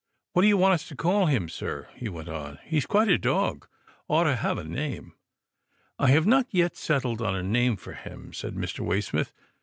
"What do you want us to call him, sir?" he went on. " He's quite a dog — ought to have a name." " I have not yet settled on a name for him," said Mr. Waysmith.